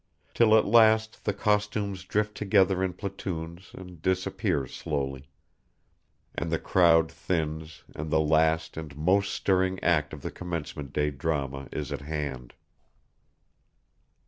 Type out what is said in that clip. Till at last the costumes drift together in platoons and disappear slowly; and the crowd thins and the last and most stirring act of the commencement day drama is at hand.